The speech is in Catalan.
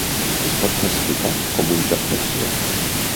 Es pot classificar com un joc d'acció.